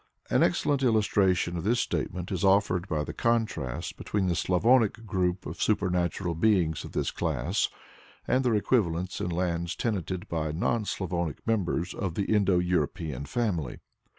An excellent illustration of this statement is offered by the contrast between the Slavonic group of supernatural beings of this class and their equivalents in lands tenanted by non Slavonic members of the Indo European family.